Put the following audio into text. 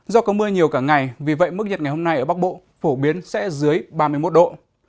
do có mưa nhiều cả ngày vì vậy mức nhiệt ngày hôm nay ở bắc bộ phổ biến sẽ dưới ba mươi một độ